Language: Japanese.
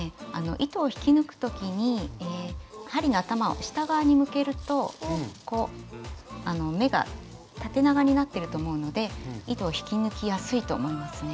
糸を引き抜く時に針の頭を下側に向けると目が縦長になってると思うので糸を引き抜きやすいと思いますね。